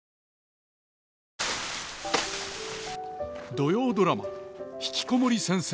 土曜ドラマ「ひきこもり先生」。